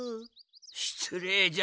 しつれいじゃのう。